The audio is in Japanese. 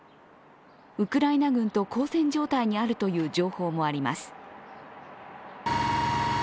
ウクライナ軍と交戦状態にあるとの情報もあります。